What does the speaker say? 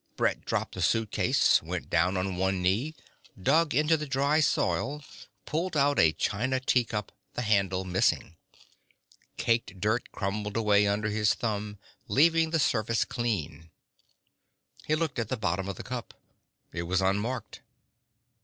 Brett dropped the suitcase, went down on one knee, dug into the dry soil, pulled out a china teacup, the handle missing. Caked dirt crumbled away under his thumb, leaving the surface clean. He looked at the bottom of the cup. It was unmarked.